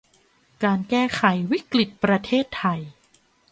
การแก้ไขวิกฤตประเทศไทย